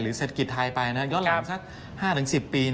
เศรษฐกิจไทยไปย้อนหลังสัก๕๑๐ปี